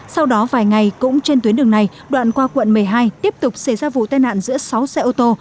sau đó vài ngày cũng trên tuyến đường này đoạn qua quận một mươi hai tiếp tục xảy ra vụ tai nạn giữa sáu xe ô tô